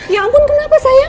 ya ampun kenapa sayang